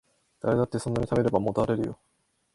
誰だってそんなに食べればもたれるよ